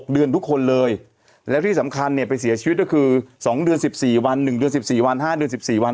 เดินนิวเรียน๑๔วัน๑เดือน๑๔วัน๕เดือน๑๔